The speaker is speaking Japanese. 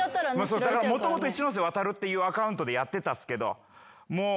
もともと一ノ瀬ワタルっていうアカウントでやってたっすけどもう。